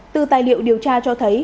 từ tài liệu điều tra cho thấy